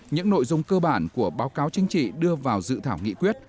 những nội dung cơ bản của báo cáo chính trị đưa vào dự thảo nghị quyết